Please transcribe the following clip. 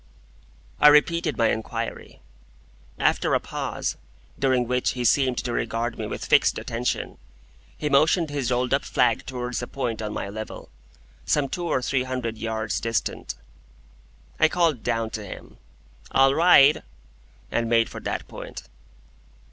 I repeated my inquiry. After a pause, during which he seemed to regard me with fixed attention, he motioned with his rolled up flag towards a point on my level, some two or three hundred yards distant. I called down to him, "All right!" and made for that point.